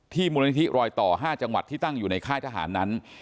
มูลนิธิรอยต่อ๕จังหวัดที่ตั้งอยู่ในค่ายทหารนั้น